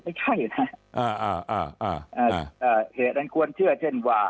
ไม่ใช่นะเหตุอันควรเชื่อเช่นว่า